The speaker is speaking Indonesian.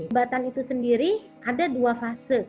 jembatan itu sendiri ada dua fase